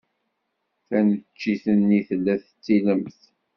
Taneččit-nni tella d tilemt.